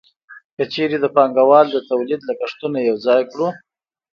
که چېرې د پانګوال د تولید لګښتونه یوځای کړو